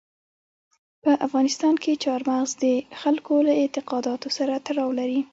په افغانستان کې چار مغز د خلکو له اعتقاداتو سره تړاو لري.